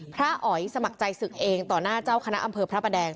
อ๋อยสมัครใจศึกเองต่อหน้าเจ้าคณะอำเภอพระประแดง